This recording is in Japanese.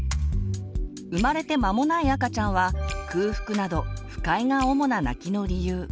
生まれて間もない赤ちゃんは空腹など不快が主な泣きの理由。